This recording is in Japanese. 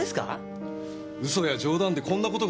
嘘や冗談でこんな事が言えるか。